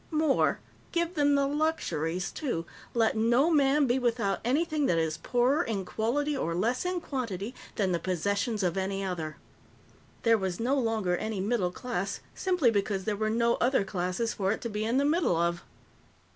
More, give them the luxuries, too let no man be without anything that is poorer in quality or less in quantity than the possessions of any other. There was no longer any middle class simply because there were no other classes for it to be in the middle of.